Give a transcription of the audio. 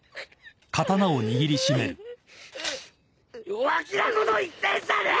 弱気なこと言ってんじゃねえ！！